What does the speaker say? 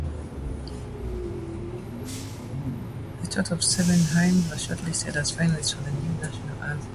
A total of seven hymns were shortlisted as finalists for the new national anthem.